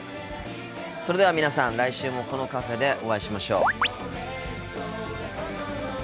それでは皆さん来週もこのカフェでお会いしましょう。